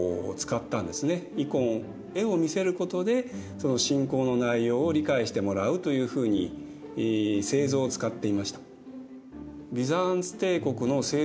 絵を見せることで信仰の内容を理解してもらうというふうに聖像を使っていました。